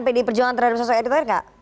pd perjuangan terhadap sosok erick thohir enggak